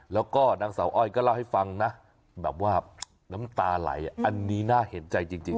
แล้วก็นางสาวอ้อยก็เล่าให้ฟังนะแบบว่าน้ำตาไหลอันนี้น่าเห็นใจจริง